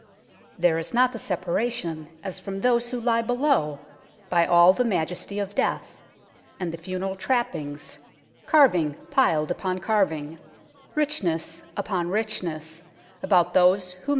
There is not the separation, as from those who lie below, by all the majesty of Death, and the funeral trappings, carving piled upon carving, richness upon richness, about those whom n.